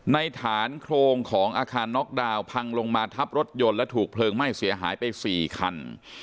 ในฐานโครงของอาคารน็อกดาวน์พังลงมาทับรถยนต์และถูกเพลิงไหม้เสียหายไป๔คัน